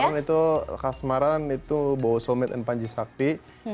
kalau kas maran itu bawa soulmate dan panji sakti